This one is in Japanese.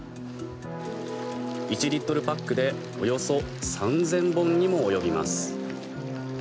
１リットルパックでおよそ３０００本にも及びます。